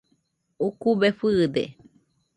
Ukube fɨɨde.